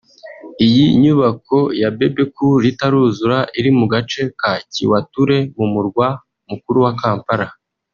Iyi nyubako ya Bebe Cool itaruzura iri mu gace ka Kiwatule mu murwa mukuru Kampala